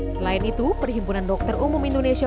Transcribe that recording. selain itu perhimpunan dokter umum indonesia